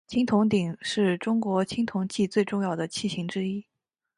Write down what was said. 青铜鼎是中国青铜器最重要的器形之一。